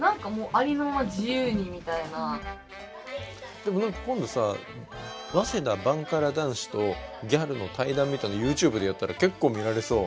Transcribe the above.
でも何か今度さ早稲田バンカラ男子とギャルの対談みたいなのＹｏｕＴｕｂｅでやったら結構見られそう。